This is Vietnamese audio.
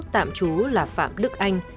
tạm chú là phạm đức anh